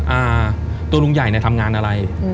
อ่าตัวลุงใหญ่เนี่ยทำงานอะไร